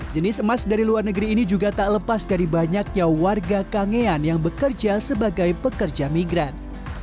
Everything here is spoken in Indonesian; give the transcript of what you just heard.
jenis emas dari luar negeri ini juga tak lepas dari banyaknya warga kangean yang bekerja sebagai pekerja migran